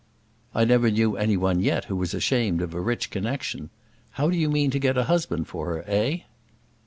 "I never knew any one yet who was ashamed of a rich connexion. How do you mean to get a husband for her, eh?"